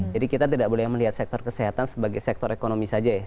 jadi kita tidak boleh melihat sektor kesehatan sebagai sektor ekonomi saja ya